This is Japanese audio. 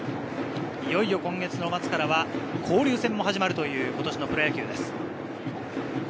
いよいよ今月の末からは交流戦も始まるという今年のプロ野球です。